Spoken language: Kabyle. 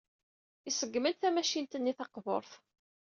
Iṣeggem-d tamacint-nni taqburt.